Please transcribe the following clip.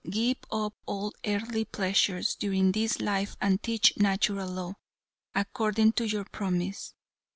Give up all earthly pleasures during this life and teach Natural Law, according to your promise."